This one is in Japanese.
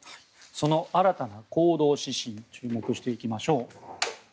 新たな行動指針に注目していきましょう。